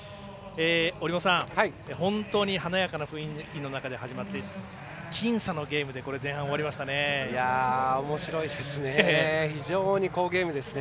折茂さん、本当に華やかな雰囲気の中で始まって僅差のゲームで前半が終わりましたね。